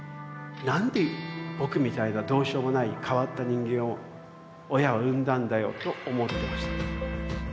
なんで僕みたいなどうしようもない変わった人間を親は産んだんだよと思っていました。